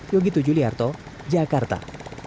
yogi tujuliarto jakarta